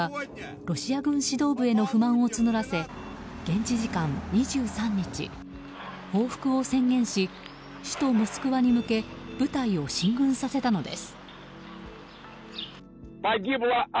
ロシア軍指導部への不満を募らせ現地時間２３日報復を宣言し首都モスクワに向け部隊を進軍させたのです。